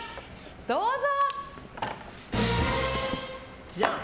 どうぞ！